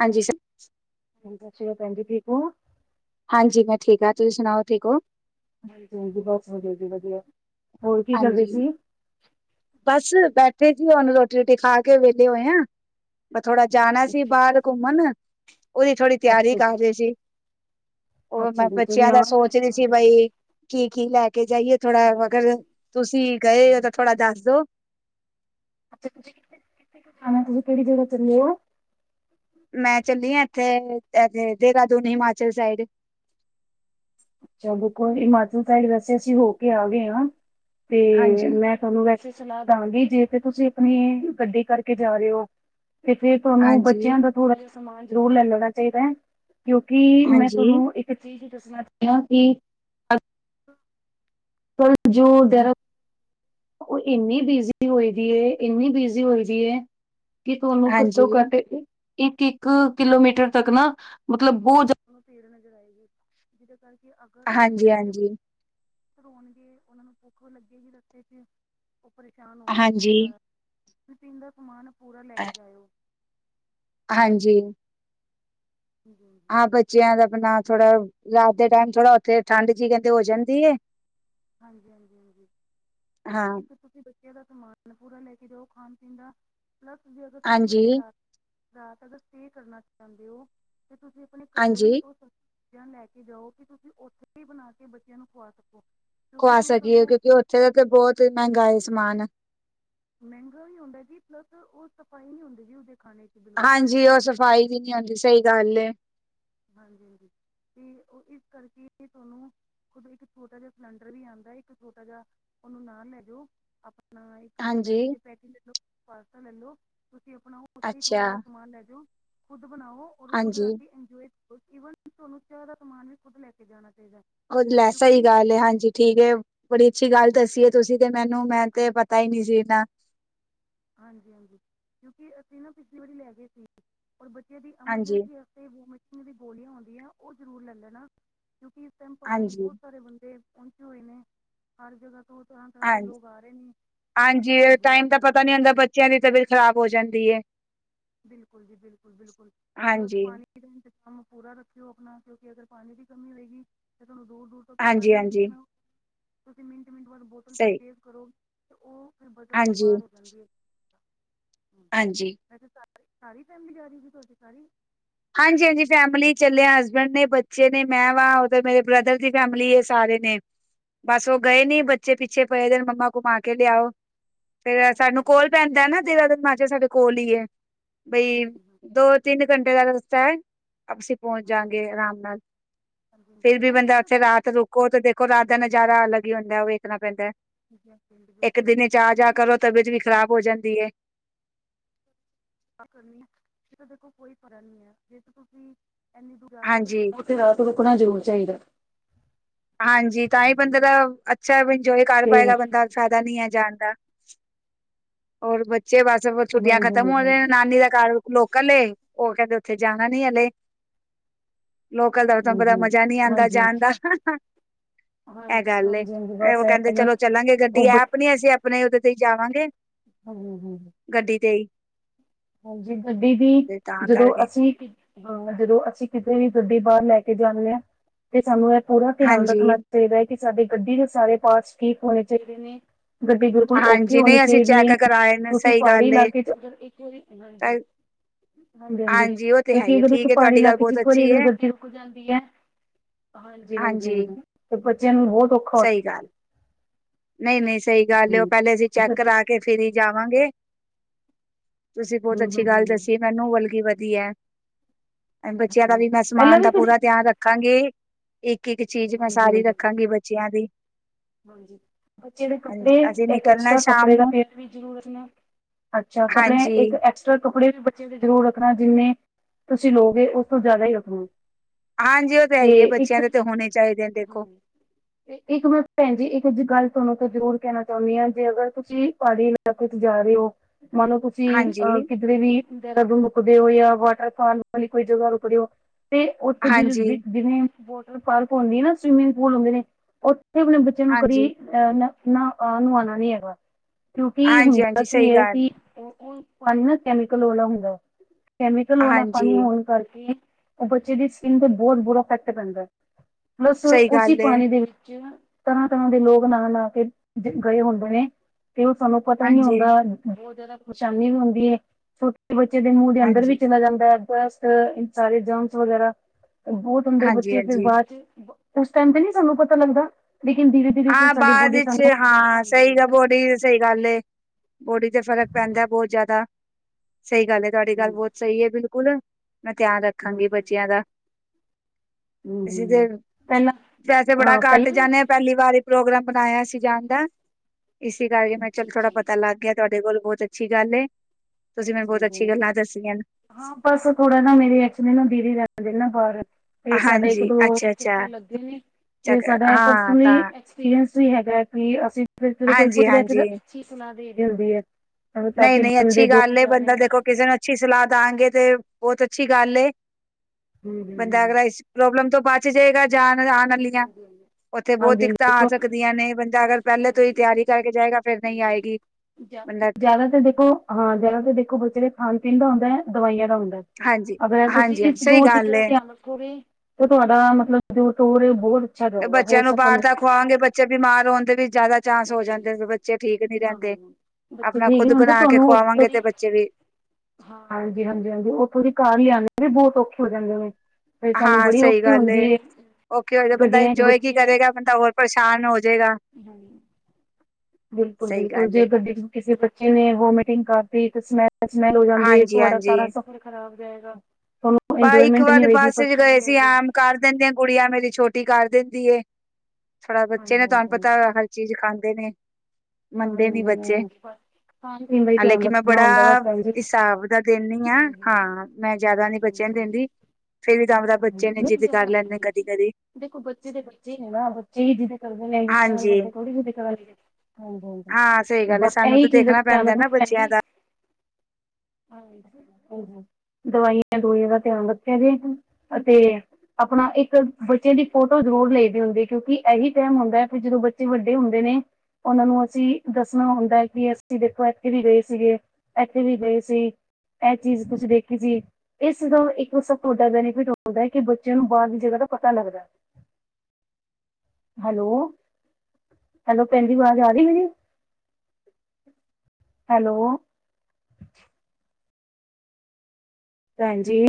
ਹਾਂਜੀ ਸ ਸ਼੍ਰੀ ਅਕਾਲ ਭੈਣ ਜੀ ਠੀਕ ਹੋ। ਹਾਂਜੀ ਮੈਂ ਠੀਕ ਹਾਂ, ਤੁਸੀਂ ਸੁਣਾਓ ਠੀਕ ਹੋ? ਹਾਂਜੀ ਬਹੁਤ ਵਧੀਆ ਜੀ ਵਧੀਆ ਹੋਰ ਕੀ ਕਰਦੇ ਹਾਂਜੀ ਸੀ। ਬਸ ਬੈਠੇ ਸੀ, ਹੁਣ ਰੋਟੀ ਰੋਟੀ ਖਾ ਕੇ ਵਿਹਲੇ ਹੋਏ ਆ। ਮੈਂ ਥੋੜਾ ਜਾਣਾ ਸੀ ਅੱਛਾ ਬਾਹਰ ਜੀ ਘੁੰਮਣ, ਓਦੀ ਥੋੜ੍ਹੀ ਤਿਆਰੀ ਕਰ ਰਹੇ ਸੀ। ਉਹ ਅੱਛਾ ਮੈਂ ਜੀ ਜਿਵੇਂ ਬੱਚਿਆਂ ਆ ਦਾ ਮੈਂ ਸੋਚਦੀ ਅੱਛਾ ਸੀ ਬਈ ਕੀ, ਕੀ ਲੈ ਕੇ ਜਾਈਏ ਥੋੜਾ ਅਗਰ, ਤੁਸੀਂ ਗਏ ਹੋ ਤਾਂ ਥੋੜਾ ਦੱਸ ਦੋ। ਅੱਛਾ ਜੀ, ਤੁਸੀ ਕਿਥੇ ਥਾਂਵਾ ਤੁਸੀਂ ਕ, ਕਿਹੜੀ ਰ ਚੱਲੇ ਓਹ। ਮੈਂ ਚੱਲੀ ਆਂ ਇੱਥੇ, ਦੇਹਰਾਦੂਨ ਹਿਮਾਚਲ ਸਾਈਡ ਅੱਛਾ ਬਿਲਕੁਲ ਹਿਮਾਚਲ ਸਾਈਡ ਵੈਸੇ ਅਸੀਂ ਹੋ ਕੇ ਆ ਗਏ ਹਾਂ, ਤੇ ਹਾਂਜੀ ਮੈਂ ਤੁਹਾਨੂੰ ਵੈਸੇ ਸਲਾਹ ਦਵਾਂਗੀ ਜੇ ਤੇ ਤੁਸੀਂ ਆਪਣੀ ਗੱਡੀ ਕਰਕੇ ਜਾ ਰਹੇ ਹੋ। ਤੇ ਫੇਰ ਤੁਹਾਨੂੰ ਹਾਂਜੀ ਬੱਚਿਆਂ ਦਾ ਥੋੜ੍ਹਾ ਜਿਹਾ ਸਮਾਨ ਜ਼ਰੂਰ ਲੈ ਲੈਣਾ ਚਾਹੀਦਾ ਹੈ। ਕਿਉਂਕਿ, ਮੈਂ ਹਾਂਜੀ ਤੁਹਾਨੂੰ ਇੱਕ ਚੀਜ਼ ਦੱਸਣਾ ਕਿਉਂਕਿ [unintelligible] ਉਹ ਇੰਨੀ ਬਿਜ਼ੀ ਹੋਈ ਦੀ ਏ ਇੰਨੀ ਬਿਜੀ ਹੋਈ ਦੀ ਏ। ਕੀ ਤੁਹਾਨੂੰ ਘੱਟੋ, ਹਾਂਜੀ ਘੱਟ ਇਥੇ ਇੱਕ, ਇੱਕ ਕਿਲੋਮੀਟਰ ਤੱਕ ਨਾ, ਮਤਲਬ ਬਹੁਤ ਜ਼ਿਆਦਾ। ਫੇਰ ਨਜ਼ਰ ਆਏਗੀ। ਜਿਹਦੇ ਕਰਕੇ ਅਗਰ ਹਾਂਜੀ ਛੋਟੇ ਹਾਂਜੀ ਬਚੇ ਹੋਣਗੇ ਉਹਨਾਂ ਨੂੰ ਭੁੱਖ ਵੀ ਲੱਗੇਗੀ ਰਸਤੇ 'ਚ ਉਹ ਪਰੇਸ਼ਾਨ ਹੋਣਗੇ ਬਹੁਤ ਹਾਂਜੀ ਜ਼ਿਆਦਾ ਖਾਣ ਪੀਣ ਦਾ ਸਮਾਨ ਪੂਰਾ ਲੈ ਕੇ ਜਾਇਓ। ਹਾਂਜੀ। ਹਮ, ਹਮ ਹ ਬੱਚਿਆਂ ਦਾ ਆਪਣਾ ਥੋੜਾ ਰਾਤ ਦੇ ਟਾਈਮ ਥੋੜਾ ਉੱਥੇ ਠੰਡ ਜਿਹੀ ਕਹਿੰਦੇ ਹੋ ਜਾਂਦੀ ਏ। ਹਾਂਜੀ, ਹਾਂਜੀ, ਹਾਂਜੀ ਹਾਂ, ਇੱਕ ਤੁਸੀਂ ਬੱਚੇ ਦਾ ਸਮਾਨ ਪੂਰਾ ਲੈ ਕੇ ਜਾਓ ਖਾਣ ਪੀਣ ਦਾ, ਪਲੱਸ ਜਦੋ ਤੁਸੀਂ ਉੱਥੇ ਹਾਂਜੀ, ਰਾਤ ਅਗਰ ਸਟੇਅ ਕਰਨਾ ਚਾਹੁੰਦੇ ਹੋ, ਤੇ ਤੁਸੀਂ ਹਾਂਜੀ। ਬੱਚਿਆਂ ਨੂੰ ਲੈ ਕੇ ਜਾਓ ਕਿ ਤੁਸੀਂ ਉੱਥੇ ਹੀ ਬਣਾ ਕੇ ਬੱਚਿਆਂ ਨੂੰ ਖਵਾ ਸਕੋ ਕਿਉਂਕਿ ਖਵਾ ਜੋ ਸਕੀਏ ਤੁਹਾਨੂੰ ਕਿਉਂਕਿ ਉੱਥੇ ਦਾ ਤਾਂ ਬਹੁਤ ਮਹਿੰਗਾ ਸਮਾਨ ਮਹਿੰਗਾ ਹੀ ਹੁੰਦਾ ਜੀ ਪਲੱਸ ਉਹ ਸਫ਼ਾਈ ਨਹੀਂ ਹੁੰਦੀ ਜੀ ਉਹਦੇ ਖਾਣੇ 'ਚ ਬਿਲਕੁਲ ਵੀ ਹਾਂਜੀ ਉਹ ਸਫ਼ਾਈ ਵੀ ਨਹੀਂ ਹੁੰਦੀ ਸਹੀ ਗੱਲ ਹਾਂਜੀ ਹਾਂਜੀ ਤੇ ਉਹ ਇਸ ਕਰਕੇ ਤੁਹਾਨੂੰ ਖੁਦ ਇੱਕ ਛੋਟਾ ਜਿਹਾ ਸਿਲੰਡਰ ਵੀ ਆਉਂਦਾ ਇੱਕ ਛੋਟਾ ਜਿਹਾ ਉਹਨੂੰ ਨਾ ਲੈ ਜਾਓ ਆਪ ਨਾ ਇੱਕ ਦੋ ਹਾਂਜੀ ਮੈਗੀ ਦੇ ਪੈਕਟ ਲੈ ਲੋ, ਪਾਸਤਾ ਲੈ ਲੋ ਤੁਸੀਂ ਬਣਾਓ ਉਥੇ ਥੋੜਾ ਅੱਛਾ। ਬਹੁਤ ਸਮਾਨ ਲੈ ਜਾਓ ਖੁਦ ਬਣਾਓ ਔਰ ਖੁਦ ਜਾ ਹਾਂਜੀ ਕੇ ਇੰਜੋਏ ਈਵਨ ਤੁਹਾਨੂੰ ਚਾਹ ਦਾ ਸਮਾਨ ਵੀ ਖੁੱਦ ਲੈ ਕੇ ਜਾਣਾ ਚਾਹੀਦਾ ਕੁਝ ਲੈ ਸਹੀ ਕਿਉਂਕਿ ਗੱਲ ਹਾਂਜੀ ਠੀਕ ਏ ਬੜੀ ਅੱਛੀ ਗੱਲ ਦੱਸੀ ਏ ਤੁਸੀਂ ਤੇ ਮੈਨੂੰ ਮੈਂ ਹਾਂ- ਤੇ ਪਤਾ ਹੀ ਨਹੀਂ ਸੀ ਇਹਨਾ ਹਾਂਜੀ- ਹਾਂਜੀ ਕਿਉਂਕਿ ਅਸੀਂ ਨਾ ਪਿਛਲੀ ਵਾਰੀ ਲੈ ਗਏ ਸੀ ਔਰ ਬੱਚੇ ਦੀ ਹਾਂਜੀ, ਐਮਰਜੈਂਸੀ ਵਾਸਤੇ ਤੇ ਮਛੀਆਂ ਦੀ ਗੋਲੀਆਂ ਆਉਂਦੀ ਹੈ ਉਹ ਜ਼ਰੂਰ ਲੈ ਲੈਣਾ ਕਿਉਂਕਿ ਇਸ ਟਾਈਮ ਪਹਾੜਾਂ ਚ ਹਾਂਜੀ। ਬਹੁਤ ਸਾਰੇ ਬੰਦੇ ਪਹੁੰਚੇ ਹੋਏ ਨੇ ਹਰ ਜਗ੍ਹਾ ਤੋਂ ਤਰ੍ਹਾਂ- ਤਰ੍ਹਾਂ ਦੇ ਹਾਂਜੀ, ਲੋਕ ਆ ਰਹੇ ਨੇ ਸਭ ਕੁਛ ਹਾਂਜੀ ਬਹੁਤ ਟਾਈਮ ਦਾ ਪਤਾ ਨੀ ਆਪਦਾ ਬੱਚਿਆਂ ਦੀ ਤਬੀਅਤ ਖਰਾਬ ਹੋ ਜਾਂਦੀ ਹੈ ਬਿਲਕੁਲ ਜੀ ਬਿਲਕੁਲ ਬਿਲਕੁਲ, ਮਤਲਬ ਹਾਂਜੀ, ਪਾਣੀ ਕੰਮ ਪੂਰਾ ਰੱਖਿਓ ਆਪਣਾ ਕਿਉਂਕਿ ਅਗਰ ਪਾਣੀ ਦੀ ਕਮੀ ਹੋਏਗੀ ਤੇ ਤੁਹਾਨੂੰ ਦੂਰ -ਦੂਰ ਉਥੇ ਹਾਂਜੀ, ਪਾਣੀ ਨੀ ਹਾਂਜੀ ਦਿਖਣਾ ਤੁਸੀਂ ਮਿੰਟ-ਮਿੰਟ ਬਾਅਦ ਸਹੀ ਬਿਲਕੁਲ ਉਹ, ਉਹ ਬਜਟ ਤੋਂ ਹਾਂਜੀ, ਬਾਹਰ ਹੋ ਜਾਂਦੀ ਹੈ। ਹਮ, ਹਾਂਜੀ। ਵੈਸੇ ਸਾਰੀ ਫੈਮਿਲੀ ਜਾ ਰਹੀ, ਤੁਹਾਡੀ ਸਾਰੀ। ਹਾਂਜੀ, ਹਾਂਜੀ ਫੈਮਿਲੀ ਚੱਲਿਆ ਹਸਬੈਂਡ ਨੇ ਬੱਚੇ ਨੇ ਮੈਂ ਵਾ ਉਧਰ ਮੇਰੇ ਬ੍ਰਦਰ ਦੀ ਫੈਮਿਲੀ ਹੈ ਸਾਰੇ ਨੇ। ਬਸ ਉਹ ਅੱਛਾ ਗਏ ਨੀ ਜੀ ਬੱਚੇ ਪਿੱਛੇ ਪਏ ਦ ਮੰਮਾ ਕੋਮ ਕੇ ਲਿਆਓ ਫਿਰ ਸਾਨੂੰ ਅੱਛਾ ਜੀ ਕੋਲ ਪੈਂਦਾ ਨਾ ਦੇਹਰਾਦੂਨ ਹਿਮਾਚਲ ਸਾਡੇ ਕੋਲ ਹੀ ਏ ਜੀ ਬਈ ਹਾਂਜੀ ਹਾਂ, ਦੋ -ਤਿੰਨ ਘੰਟੇ ਦਾ ਰਸਤਾ ਹੈ ਅਸੀਂ ਪਹੁੰਚ ਹਾਂਜੀ ਹਾਂਜੀ ਜਾਣਗੇ ਆਰਾਮ ਨਾਲ ਹਾਂਜੀ ਫੇਰ ਵੀ ਬੰਦਾ ਕੌਂਟੈਕਟ ਹੈ ਉੱਥੇ ਤਾਂ ਰਾਤ ਰੁਕੋ ਤੇ ਦੇਖੋ ਰਾਤ ਦਾ ਨਜ਼ਾਰਾ ਅਲਗ ਹੀ ਹੁੰਦਾ ਉਹ ਵੇਖਣਾ ਪੈਂਦਾ ਠੀਕ ਹੈ ਪਿੰਡ ਇੱਕ ਬਿਲਕੁਲ ਦਿਨੇ 'ਚ ਆ ਬਿਲਕੁਲ ਜਾ ਕਰੋ ਤਬੀਅਤ ਵੀ ਖ਼ਰਾਬ ਹੋ ਜਾਂਦੀ ਹੈ ਕਰਨੀ ਏਹ ਦੇਖੋ ਕੋਈ ਫਰਕ ਨੀ ਹੈ। ਜੇ ਤੁਸੀਂ ਇਨੀ ਦੁਰ ਆ ਰਹੇ ਹਾਂਜੀ ਹੋ। ਫੇਰ ਰਾਤ ਰੁਕਣਾ ਜ਼ਰੂਰ ਚਾਹੀਦਾ ਹੈ। ਹਾਂਜੀ, ਤਾਂ ਹੀ ਬੰਦੇ ਦਾ ਅੱਛਾ ਇੰਜੋਏ ਕਰ ਤੇ ਪਾਏਗਾ ਬੰਦਾ। ਫਾਇਦਾ ਨਹੀਂ ਹੈ ਜਾਣਦਾ। ਹੋਰ ਬਚ ਬਸ ਛੁੱਟੀਆਂ ਹਾਂਜੀ ਖਤਮ ਹਾਂਜੀ ਹੋ ਰਹੀਆ ਹਨ। ਹਾਂਜੀ ਨਾਨੀ ਦਾ ਘਰ ਲੋਕਲ ਐ। ਉਹ ਕਹਿੰਦੇ ਉੱਥੇ ਜਾਣਾ ਨੀ ਹਲੇ। ਲੋਕਲ ਦਾ ਉਥੋਂ ਪਤਾ ਮਜਾ ਨਹੀਂ ਆਉਂਦਾ ਹਾਂਜੀ ਜਾਣ ਦਾ। ਹਾਂਜੀ ਇਹ ਗੱਲ ਏ। ਹਾਂਜੀ ਹਾਂਜੀ ਬਸ ਉਹ ਕਹਿੰਦੇ ਇਹ ਨਾ ਚਲੋ ਚੱਲਾਂਗੇ ਗੱਡੀ ਉਹ ਐ ਬ ਆਪ ਨੀ, ਅਸੀਂ ਆਪਣੇ ਉਹਦੇ ਤੇ ਹੀ ਜਾਵਾਂਗੇ। ਹੂੰ-ਹੂੰ, ਹੂੰ। ਗੱਡੀ ਤੇ ਹੀ। ਹਾਂਜੀ, ਗੱਡੀ ਦੀ ਤੇ ਤਾਂ ਜਦੋਂ ਕਰਕੇ ਅਸੀਂ ਹਾਂ, ਜਦੋਂ ਅਸੀਂ ਕਿਸੇ ਵੀ ਗੱਡੀ ਬਾਹਰ ਲੈ ਕੇ ਜਾਂਦੇ ਹਾਂ। ਤੇ ਸਾਨੂੰ ਇਹ ਪੂਰਾ ਧਿਆਨ ਹਾਂਜੀ ਰੱਖਣਾ ਚਾਹੀਦਾ ਹੈ। ਕਿ ਸਾਡੇ ਗੱਡੀ ਦੇ ਸਾਰੇ ਪਾਰਟਸ ਠੀਕ ਹੋਣੇ ਚਾਹੀਦੇ ਨੇ। ਗੱਡੀ ਬਿਲਕੁਲ ਓ ਕੇ ਹਾਂਜੀ ਹੋਣੀ ਨਹੀਂ ਅਸੀਂ ਚਾਹੀਦੀ ਚੈੱਕ ਹੈ। ਕਰਾਏ ਨੇ ਕਿਉਂਕਿ ਸਹੀ ਪਹਾੜੀ ਗੱਲ ਏ ਇਲਾਕੇ ਚ ਅਗਰ ਇੱਕ ਵਾਰੀ, ਹਾਂਜੀ। ਹਾਂਜੀ- ਹਾਂਜੀ, ਉਹ ਤੇ ਹੈ ਕਿਉਂਕਿ ਹੀ ਹੈ, ਅਗਰ ਠੀਕ ਏ ਪਹਾੜੀ ਤੁਹਾਡੀ ਗੱਲ ਇਲਾਕੇ ਚ ਬਹੁਤ ਇੱਕ ਵਾਰੀ, ਅੱਛੀ ਏ ਜਦੋਂ ਗੱਡੀ ਜੇ ਰੁਕ ਜਾਂਦੀ ਹੈ। ਹਾਂਜੀ- ਹਾਂਜੀ, ਤੇ ਬੱਚਿਆਂ ਨੂੰ ਬਹੁਤ ਔਖਾ ਹੋ। ਸਹੀ ਹੈ ਗੱਲ ਨਹੀਂ- ਨਹੀਂ ਸਹੀ ਗੱਲ ਏ। ਉਹ ਹੂੰ ਪਹਿਲੇ ਅਸੀਂ ਉਹ ਚੈੱਕ ਗੱਡੀ ਕਰਾ ਕੇ ਫੇਰ ਹੀ ਜਾਵਾਂਗੇ। ਤੁਸੀਂ ਬਹੁਤ ਹੂੰ ਹੂੰ ਅੱਛੀ ਗੱਲ ਹੂੰ ਦੱਸੀ ਮੈਨੂੰ, ਵਲਗੀ ਵਧੀਆ ਹੈ। ਬੱਚਿਆਂ ਦਾ ਹੂੰ। ਵੀ ਮੈਂ ਪਹਿਲਾਂ ਸਮਾਨ ਵੀ ਦਾ, ਕਦੀ ਪੂਰਾ ਧਿਆਨ ਰੱਖਾਂਗੀ। ਇੱਕ ਇੱਕ- ਇੱਕ ਚੀਜ਼, ਮੈਂ ਹਾਂਜੀ ਸਾਰੀ ਹਾਂਜੀ ਰੱਖਾਂਗੀ ਬੱਚਿਆਂ ਦੀ। ਹਾਂਜੀ, ਬੱਚੇ ਦੇ ਹਾਂਜੀ ਕੱਪੜੇ ਅਸੀਂ ਐਕ ਨਿਕਲਣਾ ਐਕਸਟਰਾ ਸ਼ਾਮ ਕੱਪੜੇ ਦਾ ਨੂੰ ਫੇ ਵੀ ਜਰੂਰ ਰਖਣਾ ਹੈ। ਅੱਛਾ, ਕੱਪੜੇ ਹਾਂਜੀ ਇੱਕ ਐ ਕੱਪੜੇ ਵੀ ਬੱਚਿਆਂ ਦੇ ਜ਼ਰੂਰ ਰੱਖਣਾ। ਜਿੰਨੇ ਤੁਸੀਂ ਲੋਗੇ ਉਸ ਤੋਂ ਜ਼ਿਆਦਾ ਹੀ ਰੱਖੋ। ਹਾਂਜੀ, ਉਹ ਤਾਂ ਹੈ ਹੀ ਹੈ। ਬੱਚਿਆਂ ਦੇ ਤੇ ਹੋਣੇ ਚਾਹੀਦੇ ਨੇ ਦੇਖੋ। ਹਾਂਜੀ ਇ ਇੱਕ ਮਿੰਟ ਭੈਣਜੀ ਇੱਕ ਗੱਲ ਤੁਹਾਨੂੰ ਤੋਂ ਜ਼ਰੂਰ ਕਹਿਣਾ ਚਾਹੁੰਦੀ ਹਾਂ। ਜੇ ਅਗਰ ਤੁਸੀਂ ਪਹਾੜੀ ਇਲਾਕੇ ਚ ਜਾ ਰਹੇ ਹੋ। ਮਨ ਲੋ ਤੁ ਜੀ, ਅਹ ਹਾਂਜੀ ਕਿਧਰੇ ਵੀ ਦੇਰਹਾਦੂਨ ਰੁਕਦੇ ਹੋ। ਜਾਂ ਵਾਟਰ ਫਾਲੀ ਕੋਈ ਜਗਾ ਰੁਕਦੇ ਹੋ। ਤੇ ਓਥੇ [unintelligible] ਹਾਂਜੀ ਜਿਵੇਂ ਵੋਟਰ ਪਾਰਕ ਹੁੰਦੀ ਨਾ, ਸਵੀਮਿੰਗ ਪੂਲ ਹੁੰਦੇ ਨੇ। ਤੇ ਆਪਣੇ ਬੱਚੇਆਂ ਨੂੰ ਕਦੀ, ਹਾਂਜੀ ਅਹ ਨ ਨ ਅ ਨਵਾਉਣਾ ਨੀ ਹੈਗਾ। ਕਿਉਂਕਿ ਹਾਂਜੀ ਹੁੰਦਾ ਹਾਂਜੀ ਕੀ ਸਹੀ ਹੈ। ਗੱਲ ਉਹ ਬਾ ਪਾਣੀ ਨਾ ਕੈਮੀਕਲ ਵਾਲਾ ਹੁੰਦਾ। ਕੈਮੀਕਲ ਹੈ। ਵਾਲਾ ਪਾਣੀ ਹਾਂਜੀ ਹੋਣ ਕਰਕੇ, ਉਹ ਬੱਚੇ ਦੀ ਸਕਿਨ ਤੇ, ਬਹੁਤ ਬੁਰਾ ਫੈਕਟ ਪੈਂਦਾ ਹੈ। ਦੱਸੋ, ਸਹੀ ਉਸੀ ਗੱਲ ਏ ਪਾਣੀ ਦੇ ਵਿੱਚ ਤਰਾਂ-ਤਰਾਂ, ਦੇ ਲੋਕ ਨਾ-ਨਾ ਕੇ ਗਏ ਹੁੰਦੇ ਨੇ। ਤੇ ਉਹ ਸਾਨੂੰ ਪਤਾ ਹੀ ਨੀ ਹਾਂਜੀ ਹੁੰਦਾ। ਬਹੁਤ ਜਿਆਦਾ ਪਰੇਸ਼ਾਨੀ ਵੀ ਹੁੰਦੀ। ਬੱਚੇ ਦੇ ਮੂੰਹ ਦੇ ਅੰਦਰ ਵੀ ਹਾਂਜੀ ਚਲਾ ਜਾਂਦਾ ਹੈ। ਬੱਸ ਐ ਸਾਰੇ ਜਾਮਸ ਵਗੈਰਾ। ਬਹੁਤ ਅੰਦਰ ਹਾਂਜੀ ਬੱਚੇ ਫੇਰ ਹਾਂਜੀ ਬਾਅਦ ਚ, ਉਸ ਟਾਈਮ ਤੇ ਨੀ ਸਾਨੂੰ ਪਤਾ ਲੱਗਦਾ। ਲੇਕਿਨ ਦੀ ਹਾਂ, ਬਾਦ ਇੱਚ ਹਾਂ, ਸਹੀ ਹੈ ਗ ਬੋਢੀ ਸਹੀ ਗੱਲ ਏ, ਬੋਡੀ ਤੇ ਫ਼ਰਕ ਪੈਂਦਾ ਬਹੁਤ ਜਿਆਦਾ, ਸਹੀ ਗੱਲ ਏ ਤੁਹਾਡੀ ਗੱਲ ਹਮ ਬਹੁਤ ਸਹੀ ਹੈ। ਬਿਲਕੁਲ ਮੈਂ, ਧਿਆਨ ਰੱਖਾਂਗੀ ਬੱਚਿਆਂ ਦਾ। ਅਸੀਂ ਤੇ, ਹਮ ਪਹਿਲਾਂ ਵੈਸੇ ਬੜਾ ਹਾਂ ਕਾਟ ਪਹਿਲਾਂ ਜਾਂਦੇ ਹਾਂ। ਪਹਿਲੀ ਵਾਰ ਹੀ ਪ੍ਰੋਗਰਾਮ ਬਨਾਇਆ ਸੀ ਜਾਣ ਦਾ। ਇਸ ਕਰਕੇ ਮੈਂ ਚਲ ਥੋੜਾ ਪਤਾ ਲੱਗ ਗਿਆ। ਤੁਹਾਡੇ ਕੋਲ, ਬਹੁਤ ਅੱਛੀ ਗੱਲ ਏ। ਤੁਸੀਂ ਮਨੂੰ ਬਹੁਤ ਅੱਛੀ ਹਾਂਜੀ ਗੱਲਾਂ ਦੱਸੀਆਂ ਹਾਂ, ਬਸ ਥੋੜਾ ਨਾ ਮੇਰੀ ਅਚੁਲੀ ਦੀਦੀ ਰਹਿੰਦੇ ਨੇ ਨਾ ਬਾਹਰ। ਤੇ ਸਾਡੇ ਇੱਕ, ਹਾਂਜੀ ਦੋ ਹੋ ਅੱਛਾ-ਅੱਛਾ ਚੱਕਰ ਲੱਗੇ ਨੇ। ਤੇ ਚੱਕ ਸਾਡਾ ਪਰਸੋ ਹਾਂ ਤਾਂ ਵੀ ਐਕਸਪੀਰੀਅਂਸ ਵੀ ਹੈਗਾ। ਫੇਰ ਜਦੋਂ ਕੋਈ ਪੁੱਛਦਾ ਹੈ ਤੇ ਹਾਂਜੀ-ਹਾਂਜੀ ਅੱਛੀ ਸਲਾ ਦੇ ਦਈ ਦੀ ਹੁੰਦੀ ਹੈ। ਤਾਂ ਕਿ ਨਹੀਂ-ਨਹੀਂ ਬੰਦੇ ਅੱਛੀ ਜੋ ਵੀ ਗੱਲ ਏ, ਜਾ ਰਹੇ ਬੰਦਾ ਨੇ ਦੇਖੋ ਕਿਸੇ ਨੂੰ ਅੱਛੀ ਸਲਾਹ ਦਾਂਗੇ ਤੇ ਬਹੁਤ ਅੱਛੀ ਗੱਲ ਏ। ਬੰਦਾ ਅਗ ਹੂੰ ਪ੍ਰੋਬਲਮ ਤੋਂ ਬਾਚੇ ਜਾਏਗਾ। ਜ ਆ ਉੱਥੇ ਬਹੁਤ ਹਾਂਜੀ ਦਿੱਕਤਾਂ ਆ ਦੇਖੋ ਸਕਦੀਆਂ ਨੇ। ਬੰਦਾ ਅਗਰ ਪਹਿਲੇ ਤੋਂ ਹੀ ਤਿਆਰੀ ਕਰਕੇ ਜਾਏਗਾ। ਫੇਰ ਨਈ ਆਏਗੀ। ਹ ਬੰਦਾ ਜਿਆਦਾ ਤਾਂ ਦੇਖੋ ਹਾਂ, ਜਦਾ ਤੇ ਦੇਖੋ ਬੱਚੇ ਦੇ ਖਾਣ-ਪੀਣ ਦਾ ਹੁੰਦਾ ਹੈ। ਦਵਾਈਆਂ ਦਾ ਹੁੰਦਾ ਏ। ਅਗਰ ਐ ਤੁਸੀਂ ਇਸ ਹਾਂਜੀ-ਹਾਂਜੀ-ਹਾਂਜੀ ਸਈ ਦੋ ਚੀਜ਼ਾਂ ਗੱਲ ਦਾ ਏ। ਧਿਆਨ ਰੱਖੋ ਗੇ ਤੇ ਤੁਹਾਡਾ ਮਤਲਬ [unintelligible] ਬੱਚਿਆਂ ਬਹੁਤ ਨੂੰ ਸਫਲ ਬਾਹਰ ਦਾ ਰਹੇਗਾ ਖੁਵਾਂਗੇ ਬੱਚੇ ਬਿਮਾਰ ਹੋਣ ਦੇ ਵੀ ਜ਼ਿਆਦਾ ਚਾਂਸ ਹੋ ਜਾਂਦੇ ਵੀ ਬੱਚੇ ਠੀਕ ਨੀ ਹਾਂ ਹਾਂ ਰਹਿੰਦੇ। ਬੱਚੇ ਆਪਣਾ ਠੀਕ ਖੁੱਦ ਹੁੰਦੇ ਬਣਾ ਕੇ ਖਵਾਵਾਂਗੇ ਤੇ ਬੱਚੇ ਵੀ ਹਾਂ ਹਾਂਜੀ ਹਾਂਜੀ ਹਾਂਜੀ, ਉਹ ਥੋੜੀ ਘਰ ਆਉਂਦੇ ਵੀ ਬਹੁਤ ਔਖੇ ਹੋ ਜਾਂਦੇ ਨੇੇ। ਹਾਂ ਸਹੀ ਗੱਲ ਏ, ਔਖੇ ਹੋਏ ਬੰਦਾ ਗੱਡੀਆਂ ਚ ਇੰਜੋਏ ਕੀ ਬੱਚੇ ਕਰੇਗਾ ਬੰਦਾ ਹੋਰ ਪਰੇਸ਼ਾਨ ਹੋ ਜੇਗਾ। ਹਮ। ਸਹੀ ਬਿਲਕੁਲ-ਬਿਲਕੁਲ, ਗੱਲ ਜੇ ਏ। ਗੱਡੀ ਚ ਕਿਸੇ ਬੱਚੇ ਨੇ ਵੋਮੀਟਿੰਗ ਕਰਤੀ ਤੇ ਸਮੈ [unintelligible] ਹਾਂਜੀ ਤੁਹਾਡਾ ਹਾਂਜੀ। ਸਾਰਾ ਸਫ਼ਰ ਖਰਾਬ ਜਾਏਗਾ। ਤੁਹਾਨੂੰ ਬ ਇੱਕ ਇੰਜੋਏਮੈਂਟ ਨਹੀਂ ਵਾਰ ਹੋਏਗੀ ਬੱਸ ਚ ਗਏ ਪਰੇਸ਼ਾਨ ਸੀ ਹੋ ਆਮ ਕਰ ਦਿੰਦੀਆਂ ਕੁੁੜੀਆਂ ਮੇਰੀ ਛੋਟੀ ਕਰ ਦਿੰਦੀ ਏ, ਥੋੜਾ ਬੱਚੇ ਹਾਂਜੀ ਨੇ ਤੁਹਾਨੂੰ ਹਾਂਜੀ ਪਤਾ ਹਾਂਜੀ ਏ ਚੀਜ਼ ਖਾਂਦੇ ਨੇ ਖਾ ਲੈਂਦੇ ਨੇ [unintelligible] ਦਾ ਹੀ ਧਿਆਨ ਹਲੇਕਿ ਮੈਂ ਰੱਖਣਾ ਹੁੰਦਾ ਬੜਾ ਬਸ ਭੈਣ ਜੀ ਹਿਸਾਬ ਦਾ ਦੇਨੀ ਆਂ, ਹਾਂਜੀ ਹਾਂ ਮੈਂ ਜਿਆਦਾ ਨੀ ਬਚਿਆ ਹਾਂਜੀ ਦੇਂਦੀ ਫੇਰ ਵੀ ਤਵਾਨੂ ਪਤਾ ਬੱਚੇ ਨੇ ਨਹੀਂ ਜਿੱਦ ਜ਼ਿਆਦਾ ਕਰ ਲੈਂਦੇ ਹਾਂਜੀ ਕਦੀ-ਕਦੀ। ਦੇਖੋ ਬੱਚੇ ਦੇ ਬੱਚੇ ਹੀ ਨੇ ਨਾ, ਬੱਚੇ ਹੀ ਜਿੱਦ ਕਰਦੇ ਨੇ ਬੱਚੇ ਨਾਲ ਹਾਂਜੀ, ਵੱਦੇ ਥੋੜੀ [unintelligible] ਹਾਂਜੀ-ਹਾਂਜੀ, ਹਾਂ ਸਹੀ ਗੱਲ ਏ ਬਸ ਸਾਨੂੰ ਇਹੀ ਤਾਂ ਚੀਜ਼ਾਂ ਦੇਖਣਾ ਧਿਆਨ ਪੈਂਦਾ ਰੱਖਣਾ ਨਾ ਭੈਣ ਬੱਚਿਆਂ ਜੀ। ਦਾ। ਹਾਂਜੀ ਹਾਂਜੀ, ਦਵਾਈਆਂ ਦਵੁ ਦਾ ਧਿਆਨ ਰੱਖਿਆ ਜੇ ਅਤੇ ਆਪਣਾ ਇੱਕ ਬੱਚੇ ਦੀ ਫੋਟੋ ਜ਼ਰੂਰ ਲਈ ਦੀ ਹੁੰਦੀ ਕਿਉਂਕਿ ੲਹੀ ਟਾਈਮ ਹੁੰਦਾ ਹੈ ਜਦੋਂ ਬੱਚੇ ਵੱਡੇ ਹੁੰਦੇ ਨੇ ਉਹਨਾਂ ਨੂੰ ਅਸੀਂ ਦੱਸਣਾ ਹੁੰਦਾ ਹੈ ਕਿ ਅਸੀਂ ਦੇਖੋ ਇੱਥੇ ਵੀ ਗਏ ਸੀਗੇ। ਇੱਥੇ ਵੀ ਗਏ ਸੀ। ਇਹ ਚੀਜ਼ ਕੁਛ ਦੇਖੀ ਸੀ। ਇਸ ਤੋਂ, ਇੱਕ ਸਭ ਤੁਹਾਡਾ ਬੈਨੀ ਹੁੰਦਾ ਹੈ ਕਿ ਬੱਚਿਆਂ ਨੂੰ ਬਾਹਰ ਦੀ ਜਗ੍ਹਾ ਦਾ ਪਤਾ ਲੱਗਦਾ। ਹੈਲੋ, ਹੈਲੋ ਭੈਣ ਜੀ, ਆਵਾਜ਼ ਆ ਰਹੀ ਮੇਰੀ? ਹੈਲੋ? ਭੈਣ ਜੀ?